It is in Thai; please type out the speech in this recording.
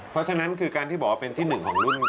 เพราะฉะนั้นคือการที่บอกว่าเป็นที่หนึ่งของรุ่น